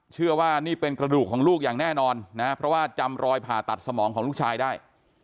เชื่อว่านี่เป็นกระดูกของลูกอย่างแน่นอนนะเพราะว่าจำรอยผ่าตัดสมองของลูกชายได้